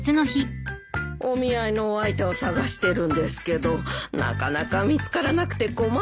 お見合いのお相手を探してるんですけどなかなか見つからなくて困ってるんです。